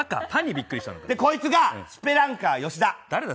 で、こいつがスペランカー吉田。